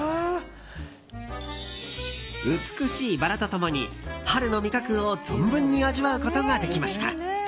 美しいバラと共に、春の味覚を存分に味わうことができました。